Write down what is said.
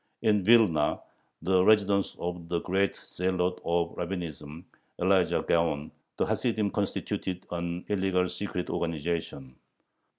In Vilna, the residence of the great zealot of Rabbinism, Elijah Gaon, the Hasidim constituted an "illegal" secret organization.